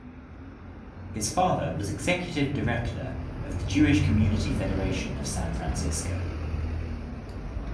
His father was executive director of the Jewish Community Federation of San Francisco.